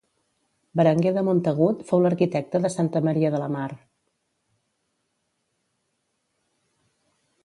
Berenguer de Montagut fou l'arquitecte de Santa Maria de la Mar